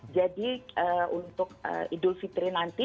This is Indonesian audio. jadi untuk idul fitri nanti